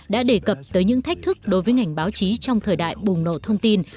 đã đề cập tới những thách thức đối với ngành báo chí trong thời đại bùng nổ thông tin